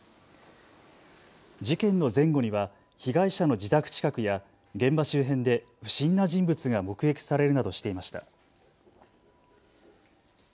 事件の前後には被害者の自宅近くや現場周辺で不審な人物が目撃されるなどしていました。